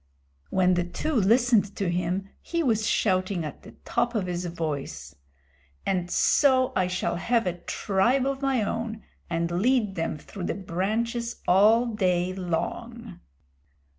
When the two listened to him he was shouting at the top of his voice, "And so I shall have a tribe of my own, and lead them through the branches all day long."